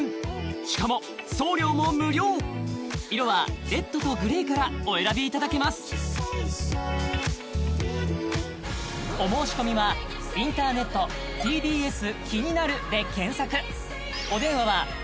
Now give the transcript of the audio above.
しかも送料も無料色はレッドとグレーからお選びいただけますクイズ？